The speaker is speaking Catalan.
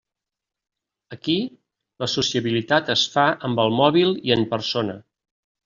Aquí la sociabilitat es fa amb el mòbil i en persona.